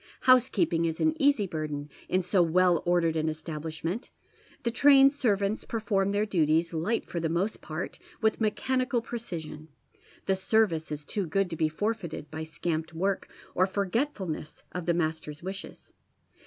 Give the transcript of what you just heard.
Housekeeping is an easy burden in so well ordered an establish ment. The trained servants perf oi m their duties, light for the most part, with mechanical precision. The service is too good to be forfeited by scamped work, or forgetfulness of the master's wishes.